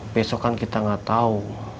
besok kan kita gak tau